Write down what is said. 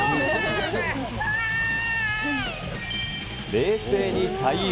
冷静に対応。